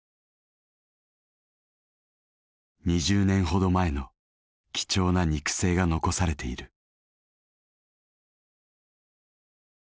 ２０年ほど前の貴重な肉声が残されている。